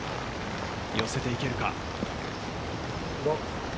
寄せていけるか？